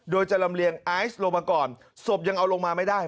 โดยจะลำเลียงไอซ์ลงมาก่อนศพยังเอาลงมาไม่ได้